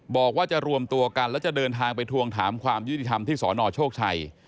บอกว่าจะรวมตัวกันแล้วจะเดินทางไปทวงถามความยุติธรรมที่สนโชคชัย